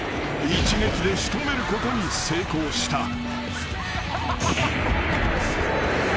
一撃で仕留めることに成功した］